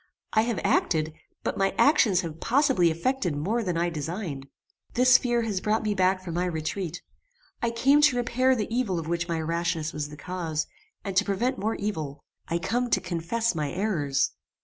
I have acted, but my actions have possibly effected more than I designed. This fear has brought me back from my retreat. I come to repair the evil of which my rashness was the cause, and to prevent more evil. I come to confess my errors."